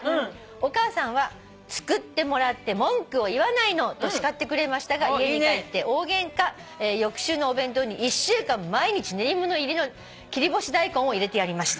「お母さんは『作ってもらって文句を言わないの』と叱ってくれましたが家に帰って大ゲンカ」「翌週のお弁当に１週間毎日練り物入りの切り干し大根を入れてやりました」